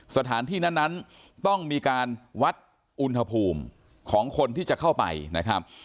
สถานที่นั้นต้องมีการวัดอุณหภูมิของคนที่จะเข้าไปนะครับ